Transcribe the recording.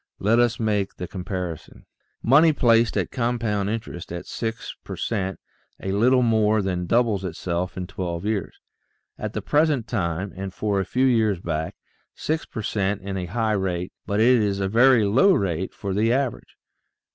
Let us make the comparison. Money placed at compound interest at six per cent, a little more than doubles itself in twelve years. At the present time and for a few years back, six per cent is a high rate, but it is a very low rate for the average.